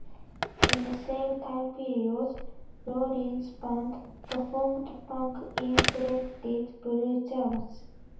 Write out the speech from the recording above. In the same time period, Rollins Band performed punk-inflected blues jams.